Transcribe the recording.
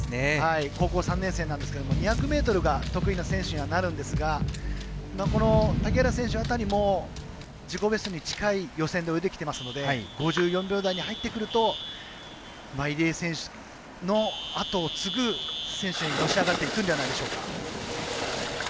高校３年生なんですけど２００ｍが得意な選手にはなるんですが竹原選手辺りも自己ベストに近いタイムで泳いできていますので５４秒台で入ってくると入江選手のあとを継ぐ選手に選手にのし上がっていくのではないでしょうか。